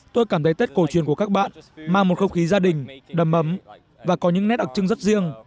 tôi cảm thấy tết cổ truyền của các bạn mang một không khí gia đình đầm ấm và có những nét đặc trưng rất riêng